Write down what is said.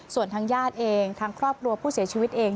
ส่วนทางญาติเองทางครอบครัวผู้เสียชีวิตเอง